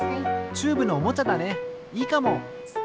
チューブのおもちゃだねいいかも。